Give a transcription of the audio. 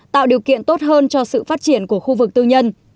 tạo điều kiện tốt hơn cho sự phát triển của khu vực tư nhân